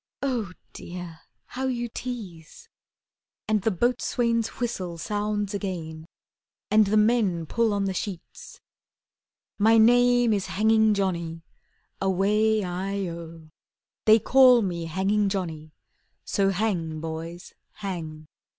Oh, Dear, how you tease!" And the boatswain's whistle sounds again, And the men pull on the sheets: "My name is Hanging Johnny, Away i oh; They call me Hanging Johnny, So hang, boys, hang."